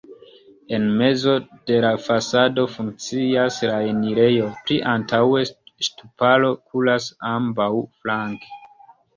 En mezo de la fasado funkcias la enirejo, pli antaŭe ŝtuparo kuras ambaŭflanke.